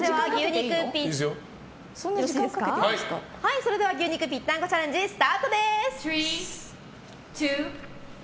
それでは牛肉ぴったんこチャレンジスタートです！